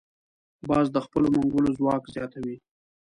باز د خپلو منګولو ځواک زیاتوي